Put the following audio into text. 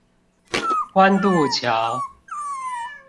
關渡橋